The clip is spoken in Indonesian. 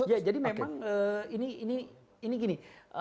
ya jadi memang ini gini